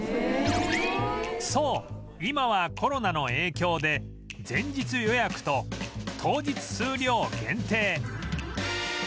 そう今はコロナの影響で前日予約と当日数量限定